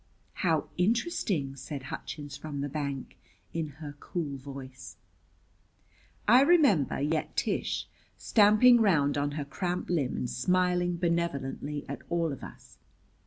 "How interesting!" said Hutchins from the bank, in her cool voice. I remember yet Tish, stamping round on her cramped limb and smiling benevolently at all of us.